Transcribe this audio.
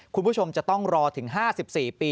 คุณผู้ชมจะต้องรอถึง๕๔ปี